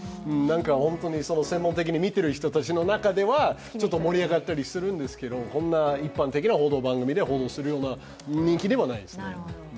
本当に専門的に見ている人たちの中ではちょっと盛り上がったりするんですが、こんな一般的な報道するような人気ではないですね。